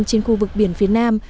trên khu vực biển phía nam